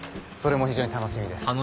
それも非常に楽しみです。